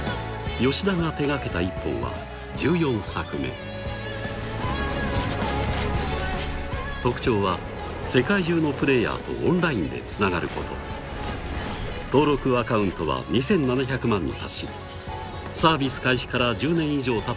吉田が手がけた一本は１４作目特徴は世界中のプレーヤーとオンラインでつながること登録アカウントは２７００万に達しサービス開始から１０年以上たった